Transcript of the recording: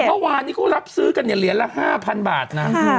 เมื่อวานนี้เขารับซื้อกันเนี่ยเหรียญละ๕๐๐๐บาทนะ